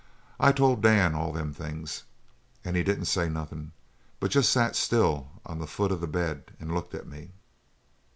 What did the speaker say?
I told Dan all them things. And he didn't say nothin', but jest sat still on the foot of the bed and looked at me.